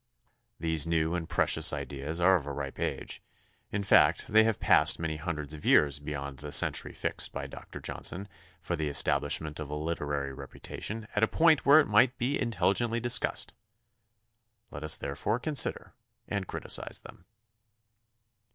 These new and precious ideas are of a ripe age; in fact they have passed many hundreds of years beyond the century fixed by Doctor Johnson for the establishment of a literary reputation at a point where it might be intelligently discussed. Let us therefore consider and criticise them.